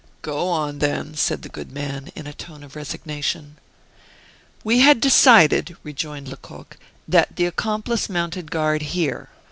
"Go on, then," said the good man, in a tone of resignation. "We had decided," rejoined Lecoq, "that the accomplice mounted guard here.